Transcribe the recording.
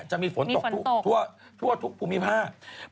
จะมีฝนตกทั่วทุกภูมิภาค